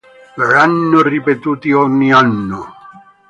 Verranno ripetuti ogni anno.